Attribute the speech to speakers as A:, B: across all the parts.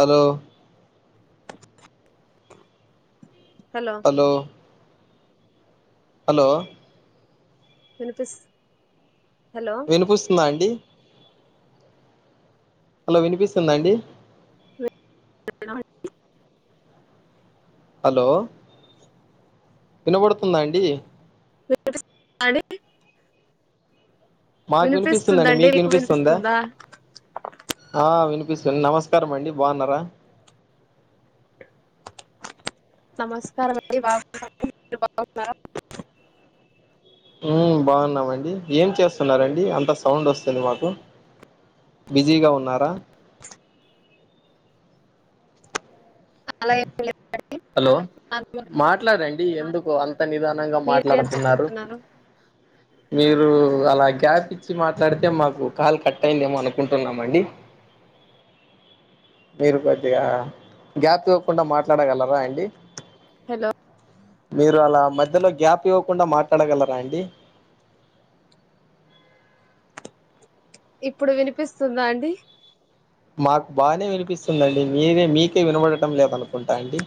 A: Hello hello hello
B: వినిపిస్త్
A: వినిపిస్తుందా అండి? హలో వినిపిస్తుందా అండి?
B: [inaudible]
A: హలో వినపడుతుంద అండి?
B: వినపిస్తుంద అండి?
A: మాకు వినిపిస్తుందండి, మీకు వినిపిస్తుందా? ఆ వినిప్ పిస్తుంది, నమస్కారం అండి బావున్నరా?
B: నమస్కారం అండి బావున్నాను మీరు బావున్నారా?
A: హ్మ్ బాగున్నామండి ఏం చేస్తున్నారండి? అంత సౌండ్ వస్తుంది మాకు, బిజీగా ఉన్నారా?
B: ఆలయ ప్
A: హలో మాట్లాడండి, ఎందుకు అంత నిదానంగా
B: మీరేం
A: మాట్లాడుతున్నారు?
B: చేస్తున్నారు
A: మీరు అలా గ్యాప్ ఇచ్చి మాట్లాడితే మాకు కాల్ కట్ అయిందేమో అనుకుంటున్నామండి. మీరు కొద్దిగా గ్యాప్ ఇవ్వకుండ మాట్లాడగలరా అండి?
B: హలో
A: మీరు అలా మధ్యలో గ్యాప్ ఇవ్వకుండా మాట్లాడగలరా అండి?
B: ఇప్పుడు వినిపిస్తుందా అండి?
A: మాకు బానే వినిపిస్తుందిండి, మీరే మీకే వినబడటం లేదనుకుంటా అండి?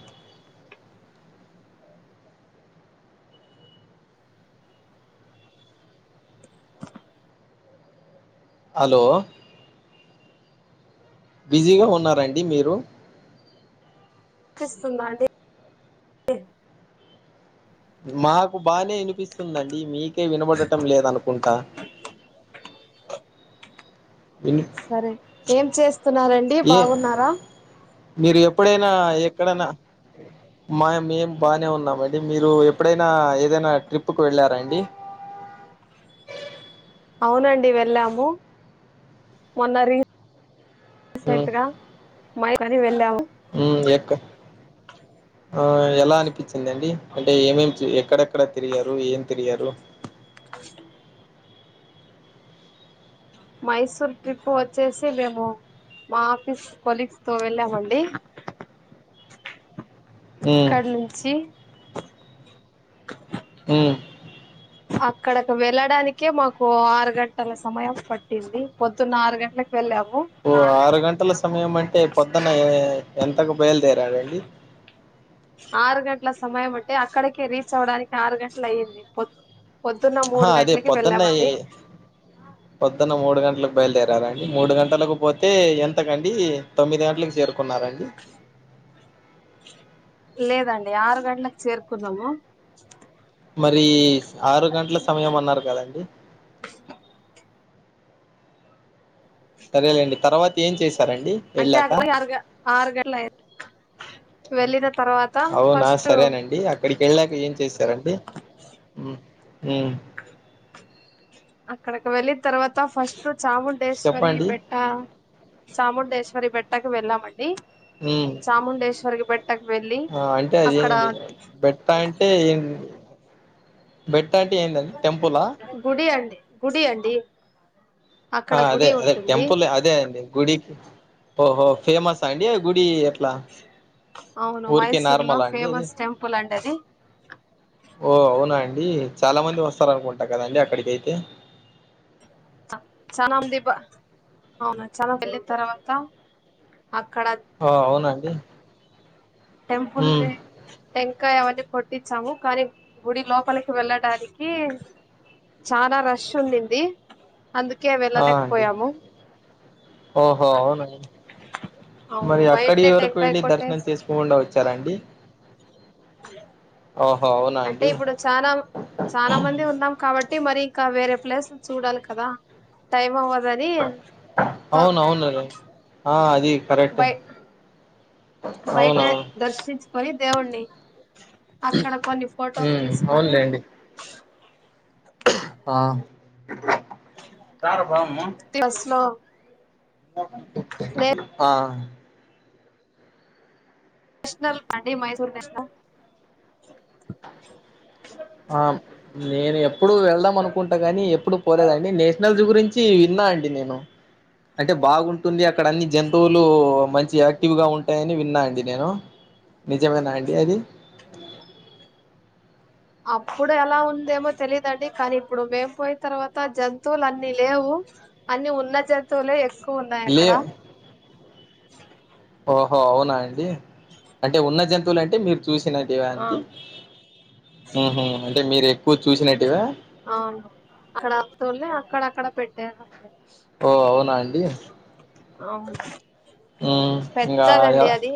A: హలో బిజీగా ఉన్నారా అండి మీరు?
B: స్తుందా అండి, [inaudible]
A: మాకు బానే ఇనిపిస్తుందండి, మీకే వినబడటం లేదనుకుంటా విన్
B: సరే ఏం చేస్తున్నారండి,
A: ఏ
B: బాగున్నారా?
A: మీరు ఎప్పుడైనా ఎక్కడన్నా, మా మేము బానే ఉన్నామండి మీరు ఎప్పుడైనా ఏదైనా ట్రిప్కి వెళ్ళారా అండి?
B: అవునండి వెళ్ళాము మొన్న రీస్
A: ఉమ్
B: సెంట్గా మై కనీ వెళ్ళాము.
A: ఉమ్ ఎక్కడ్ ఆ ఎలా అనిపిచ్చిదండి? అంటే ఏమేం చి ఎక్కడెక్కడ తిరిగారు, ఏం తిరిగారు?
B: అష్ట మైసూర్ ట్రిప్ వచ్చేసి మేము మా ఆఫీస్ కొలీగ్స్ తో వెళ్ళామండి
A: ఉమ్
B: ఇక్కడ నుంచి
A: ఉమ్
B: అక్కడకి వెళ్ళడానికే మాకు ఆరు గంటల సమయం పట్టింది పొద్దున్న ఆరు గంటల
A: ఓ ఆరు గంటల సమయం మంట టే పొద్దున ఎంతకు బయలుదేరారండి
B: ట్ల సమయం అంటే అక్కడిక రీచ్ అవ్వడానికి ఆరు గంటల అయ్యింది పొద్దు
A: ఆ అదే పొద్దున్న పొద్దున్న మూడు గంటలకు బయలుదేరాలండి మూడు గంటలు తలగుపోతే ఎంతకండి తొమ్మిది గంటకి చేరుకు కొన్నారండి
B: యారు గడ్లకి సేర్కున్నము
A: మరి ఆరు గంటల సమయం అన్నారు కదండి సరేలేండి తర్వాత ఏం చేసి
B: అంటే అ ఆరు ఆరు గంటల అయితే వెళ్ళిన తర్వాత
A: అవునా
B: ఫస్ట్
A: సరేనండి అక్కడికి వెళ్ళాక ఏం చేశారండి ఉ
B: ఇక్కడకి వెళ్ళి తర్వాత ఫస్ట్ చముండేశ్వరి
A: చెప్పండి
B: బెట్ట చముండేశ్వరి మరి పెట్టాకి వెళ్లామండి
A: మ్మ్
B: చముండేశ్వర్కి బట్టి
A: ఆ అంటే అదేంది బెట్ట అంటే ఏ బట్ బెట్ట అంటే ఏంటండి టెంపులా
B: గుడి అండి గుడి అండి
A: ఆ
B: అక్కడ
A: అదే
B: గుడి
A: అదే
B: ఉంటుంది
A: టెంపుల్ అదే అ గుడికి ఓహో ఫేమస్ అండి గుడి ఎట్లా
B: అవును
A: ఊరికే
B: మైసూర్ లో
A: నార్మలా అండి అది
B: ఫేమస్ టెంపుల్ అండి అది
A: ఓ అవునా అండి చాలా మంది వస్తారు అనుకుంటా కదండి అక్కడికైతే
B: చాలామంది అవునా చ వెలినతారవత
A: ఆ అవునండి
B: టెంపుల్
A: ఉమ్
B: కాయ అవన్నీ కొట్టించాము కానీ గుడి లోపలికి వెళ్ళడానికి చాలా రష్ ఉండింది అందుకే
A: ఆ అంటి
B: వెళ్ళలేకపోయాము
A: ఓహో అవునా
B: అవును
A: మరి అక్కడి
B: బయటే
A: వరకు
B: టెంకాయ
A: వెళ్ళి దర్శనం
B: కొట్టేసి
A: చేసుకోకుండా వచ్చారా అండి అవునా
B: అంటే
A: అండి
B: ఇప్పుడు చాన చాన మంది ఉన్నాం కాబట్ ట్టి మరి ఇకా వేరే ప్లేస్ చూడాలి కదా టై అవ
A: అవును అవును ఆ అది కరెక్ట్
B: బయ్ బయ్టే
A: అవునవును
B: దర్శిించ్ కొని దేవున్ని అక్కడ కొన్ని ఫొటోస్
A: ఉమ్
B: తీసుకొని
A: అవునులేండి ఆ
B: తి స్లో
A: ఆ
B: షనల్ అం డి మైసూర్ బెంగ
A: ఆ నేను ఎప్పుడు వెళ్దాం అనుకుంటా కానీ ఎప్పుడు పోలేదండి నేషనల్స్ గురించి విన్నా అండి నేను అంటే బాగుంటుంది అక్కడ అన్ని జంతువులు మంచి యాక్టివ్గా ఉంటాయని విన్నా అండి నేను నిజమేనా అండి అది
B: అప్పుడు ఎలా ఉందేమో తెలిదండి కానీ ఇప్పుడు మేము పోయిన తర్వాత జంతువులు అన్నిీ లేవు అన్ని ఉన్న జంతువులే ఎక్ కు ఉన్నాయ్
A: లే
B: అక్కడ
A: ఓహో అవునా అండి అంటే ఉన్న జం తులంటే మీర్ చూసినట్టేవా
B: ఆ
A: అంటి మ్ హు అంటే మీరు ఎక్కువ చూసినట్టివా
B: అవును అక్కడ అతులే అక్కడ అక్కడ పెట్టేారు
A: ఓ అవునా అండి
B: అవును
A: ఉమ్ ఇంకా
B: పెద్దదండి అది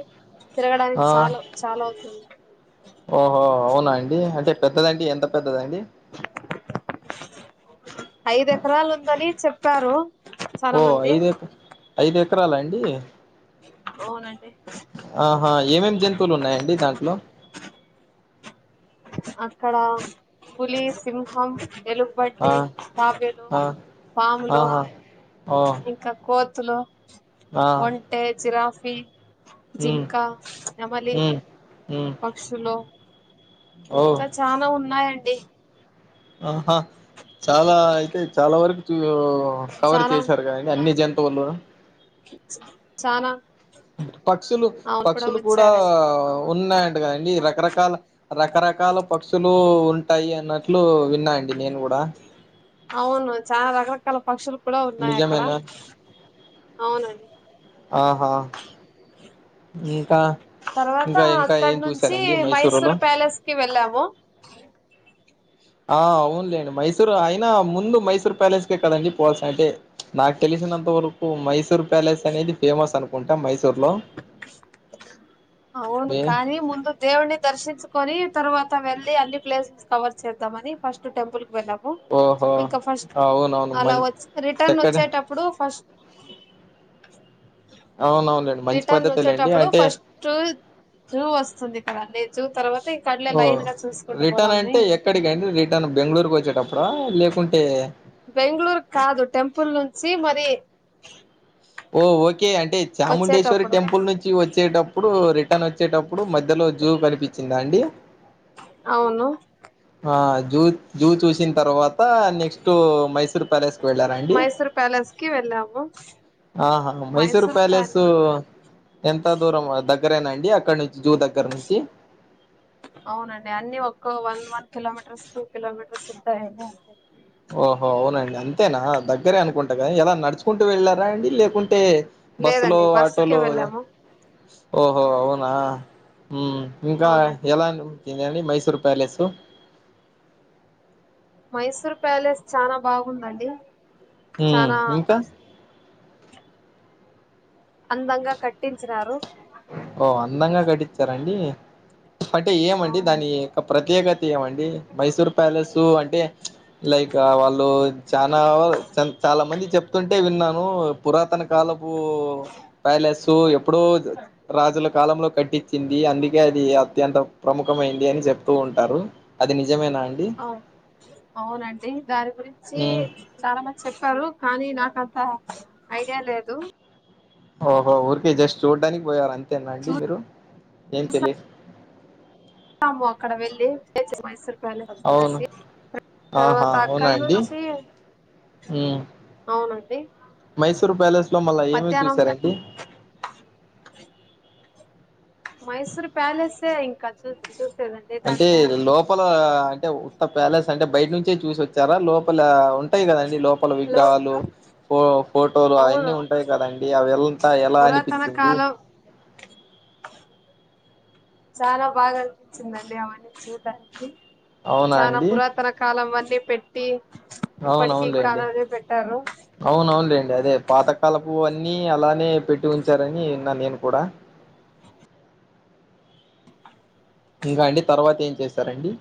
B: తిరగడానికి
A: ఆ
B: చాలు చాలావుతుంది
A: ఓహో అవునా అండి అంటే పెద్దదంటే ఎంత పెద్దదండి
B: ఐదు ఎకరాలు ఉందని చెప్పారు చాలా
A: ఓ
B: మంది
A: ఐదు ఎక్ ఐదు ఎకరాల అండి
B: అవునండి
A: ఆహా ఏమేం జంతువులు ఉన్నాయండి దాంట్లో
B: అక్కడ పులి సింహం
A: ఆ
B: ఎలుగుబడ్టి తాబేలు
A: ఆ
B: పాములు
A: ఆహా ఓ
B: ఇంకా కో తులు
A: ఆ
B: ఒంటె జిరాఫ్ ఫీ
A: మ్మ్
B: జింకా నెమలి
A: మ్మ్ మ్మ్
B: పక్షులో
A: ఓ
B: ఇంకా చనా ఉన్నాయి అండి
A: ఆహా చాలా అయితే చాలా వరకు చూ కవర్
B: చానా
A: చేశారు కాని అన్ని జ తువులు
B: చానా
A: పక్షులు
B: అవును
A: పక్షులు కూడా
B: వచ్చారండి
A: ఉన్నాయండి కదండి రకరకాల రకరకాల పక్షులు ఉంటాయి అన్నట్లు విన్నాయండి ఇ నేను కూడా
B: అవును చాలా రగలకాల పక్షులు ఉన్నాయి అక్కడ
A: నిజమేనా
B: అవునండి
A: ఆహా ఇంకా
B: తర్వాత
A: ఇంకా ఇంకా
B: అక్కడ
A: ఏం
B: నుంచి
A: చూసారండి మైసూరులో
B: మైసూర్ ప్యాలెస్ కి వెళ్ళాము
A: ఆ అవునులేండి మైసూరు అయినా ముందు మైసూర్ ప్యాలెస్కే కదండి పోల్స అంటే నాకు తెలిసినంత వరకు మైసూర్ ప్యాలెస్ అనేది ఫేమస్ అనుకుంటా మైసూర్లో
B: అవును కాని ముందు దేవుణ్ణి దర్శించకొని తర్వాత వెళ్లి అన్ని ప్లేసెస్ కవర్ చేద్దామని ఫస్ట్ టెంపుల్ పోనము
A: ఓహో
B: ఇంకా ఫస్ట్
A: అవునవును
B: అలా
A: మం
B: వచ్చ రిటర్న్
A: చక్కటి
B: వచ్చేటప్పుడు ఫస్ట్
A: అవునవునులేండి మంచి
B: రిటర్న్ల
A: పద్ధతేలేండి
B: వచ్చేటప్పుడు
A: అంటే
B: ఫస్ట్ జూ వస్తుంది కదండీ జూ తర్వాత ఇ కడలే
A: ఓ
B: లైన్ గా చూసుకుంటూ
A: రిటర్న్
B: పోదామని
A: అంటే ఎక్కడికండి రిటర్న్ బెంగళూరుకి వచ్చేటప్పుడా లేకుంటే
B: బెంగళూరు కాదు టెంపుల్ నుంచి మరది అ [unintelligible]
A: ఓ ఓక్ ఓకే అంటే చాముండేశ్వరి టెంపుల్ నుంచి వచ్చేటప్పుడు రి ట్టన్ వచ్చేటప్పుడు మధ్యలో జూ కనిపించిందా అండి
B: అవును
A: ఆ జూ జూ చూసిన తర్వాత్ త్త నెక్స్ట్ మైసూర్ ప్యాలెస్కి వెళ్ళారా అండి
B: మైసూర్ ప్యాలెస్ కి వెళ్ళాము
A: ఆహా మైసూర్ ప్యాలెస్ ఎంత దూరంద దగ్గరేనా అండి అక్కడ నుంచి జూ దగ్గర నుంచి
B: అవునండి అన్ని ఒక one one kilometres two kilometres ఉంటాయండి అంతే
A: ఓహో అవునండి అంతేనా దగ్గరే అనుకుంటా కదా ఎద నడిచి కుంటూ వెళ్ళారా అండి లేకుంటే బస్సులో
B: లేదండి బస్సుకే
A: ఆటోలో
B: వెళ్ళాము
A: ఓహో అవునా ఊమ్ ఇంకా
B: అవునండి
A: ఎలా ఈన్నే అండీ మైసూర్ ప్యాలెసు
B: మైసూర్ ప్యాలెస్ చానా బాగుందండి
A: ఊమ్
B: చానా
A: ఇంకా
B: అందంగా కట్టించినారు.
A: ఓ అందంగా కట్టీచారా అండి, అంటే ఏమండి దాని
B: అవునండి
A: యొక్క ప్రత్యేకత, ఏమండి మైసూర్ ప్యాలెస్ అంటే ప్చ్ లైక్ వాళ్ళు చానా చాలా మంది చెప్తుంటే విన్నాన్, లో పురాతన కాలపు పు ప్యాలస్ ఎప్పుడు రాజుల కాలంలో కట్టించింది, అందుకే అది అత్యంత ప్రముఖమైంది అని చెప్తూ ఉంటారు, అది నిజ్
B: అ అవునండి దారి గురి చ్చి
A: ఉమ్,
B: చాలా మంది చెప్పారు, కానీ నాకంత ఐడియా లేదు
A: ఓహో ఊరికే జస్ట్ చూడ్డానికి పోయారు, అం తేనా అండి మీరు ఎం తెలి
B: ఆము అక్కడ వెళ్ళి ఎచె మైసూర్, ప్యాలెస్ అంతా
A: అవును
B: చూసి
A: ఆహా
B: తర్వాత
A: అవునా
B: అక్కడ
A: అండి
B: నుంచి
A: ఊమ్
B: అవునండి
A: మైసూర్ ప్యాలెస్ లో మళ్ళా ఏమేం
B: మధ్యాహ్నం
A: చూసారండి,
B: మైసూర్ ప్యాలెసె ఇంకా చూస్ చూస్,
A: అంటే లోపల అంటే ఉత్త ప్యాలెస్ అంటే బయట నుంచే చూసి వచ్చారా లోపల ఉంటాయి కదండి లోపల
B: లో
A: విగ్రహాలు ఫో ఫోటోలు అవన్నీ
B: అవును
A: ఉంటాయి, కదండి అవి అంత ఎలా
B: పురాతన
A: అనిపించింది.
B: కాలం చాలా బాగా అనిపించిందండి అవన్నీ చూడానికి,
A: అవునా
B: చానా
A: అండి
B: పురాతన కాలం అన్నీ పెట్ టి
A: అవునవునులేండి, అవునవునులేండి అదే పాత కాలపు అన్ని అలానే, పెట్టి ఉంచారని విన్న నేను, కూడా ఇంకా అండి తర్వాత ఏం చేసారు. చేసారండి,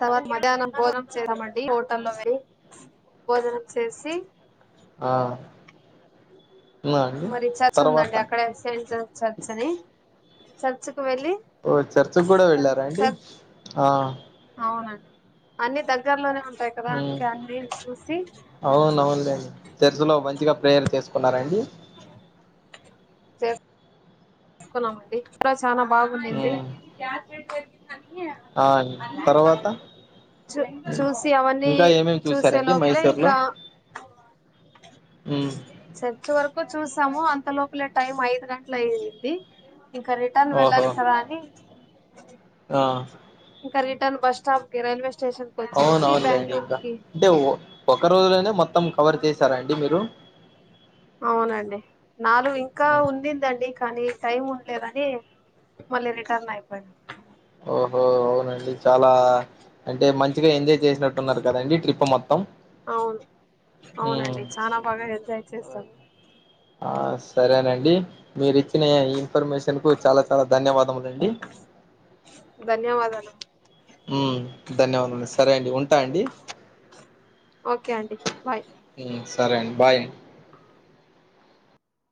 B: తర్వాత మధ్యాహ్నం భోజనం చేసామండి హోటల్లో పోయి భోజనం చేసి,
A: ఆ ఉన్నా అండి
B: మరి చర్చి
A: తర్వాత
B: ఉందండి అక్కడ ఎసెంట్ చర్చ్ అని చర్చ్ కు వెళ్ళి
A: ఓ చేర్చికి కూడా వెళ్ళారా అండి,
B: చర్చ్
A: ఆ
B: అవునండి అన్ని దగ్గర్లోనే ఉ
A: ఉమ్
B: పెగడానికి అన్నీ చూసి,
A: చర్చలో మంచిగా ప్రేయర్ చేసుకున్నండి
B: కొన్నామండి ప్ర చాలా బాగున్నాంది
A: ఉమ్ ఆ తర్వాత
B: చూ చూసి అవన్నీ
A: ఇంకా ఏమేమి
B: చూసే
A: చూసారండి
B: లోపలే
A: మైసూర్ లో
B: ఇంకా
A: ఉమ్
B: చర్చ వరకు చూసాము అ అంత లోపలే టైం ఐదు గంటల అయింది ది ఇంకా రిటర్న్
A: ఓహో
B: వెళ్ళాలి కదా అని
A: ఆ
B: ఇకా రిటర్న్ బస్ స్టాప్ కే రెల్వే
A: అవున అవునులేండి ఇంకా అంటే ఒక రోజులోనే మొత్తం కవర్ చేశారా అండి మీరు
B: అవునండి నాలుగు ఇంకా
A: ఉమ్.
B: ఉందిందండి కానీ టైం ఉ లేదని మళ్ళీ రిటర్న్ అయిపోయం
A: ఓ అవునండి చాలా అంటే మంచిగా ఎంజాయ్ చేసినట్టు ఉన్నారు కదండి ట్రిప్ మొత్తం
B: అవును
A: ఉమ్.
B: అవునండి చాల బాగా ఎంజాయ్ చేస్తాము
A: ఆ సరేనండి మీరు ఇచ్చిన ఇన్ఫర్మేషన్ కు చాలా చాలా ధన్యవాదములండి
B: ధన్యవాదాలు
A: ధన్యవాదముం సరే అండి ఉంటా అండి
B: ఓకే అంటడి బాయ్
A: సరే అండి బాయ్ అండి